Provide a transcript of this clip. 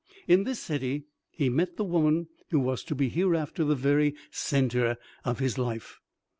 In this city he met the woman who was to be hereafter the very centre of his life.